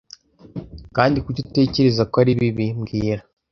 Kandi kuki utekereza ko aribi mbwira